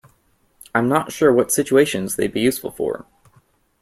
I'm not sure what situations they'd be useful for.